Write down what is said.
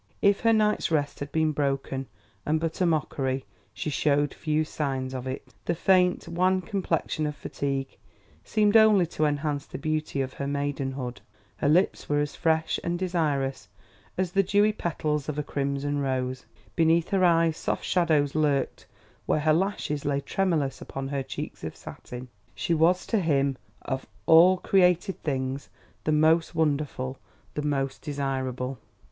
If her night's rest had been broken and but a mockery, she showed few signs of it; the faint, wan complexion of fatigue seemed only to enhance the beauty of her maidenhood; her lips were as fresh and desirous as the dewy petals of a crimson rose; beneath her eyes soft shadows lurked where her lashes lay tremulous upon her cheeks of satin.... She was to him of all created things the most wonderful, the most desirable.